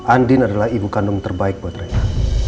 andi adalah ibu kandung terbaik buat rena